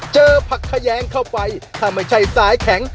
ผักแขยงเข้าไปถ้าไม่ใช่สายแข็ง